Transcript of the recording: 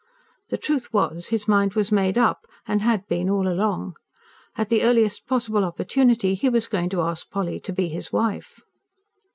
The truth was, his mind was made up and had been, all along. At the earliest possible opportunity, he was going to ask Polly to be his wife.